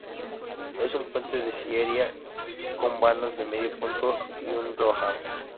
Es un puente de sillería con vanos de medio punto y uno rebajado.